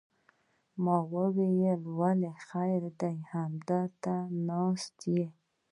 ما ویل ولې خیر دی همدې ته ناست یې.